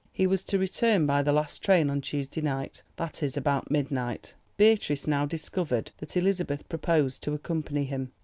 He was to return by the last train on the Tuesday night, that is, about midnight. Beatrice now discovered that Elizabeth proposed to accompany him.